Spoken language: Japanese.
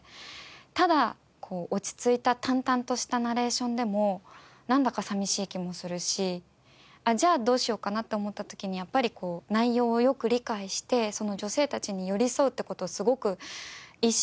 ただ落ち着いた淡々としたナレーションでもなんだか寂しい気もするしじゃあどうしようかなって思った時にやっぱりこう内容をよく理解してその女性たちに寄り添うって事をすごく意識したので。